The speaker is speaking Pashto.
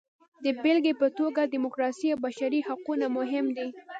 د بېلګې په توګه ډیموکراسي او بشري حقونه مهم دي.